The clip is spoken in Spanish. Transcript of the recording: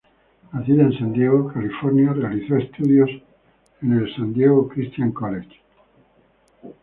Nacida en San Diego, California realizó estudios el San Diego Christian College.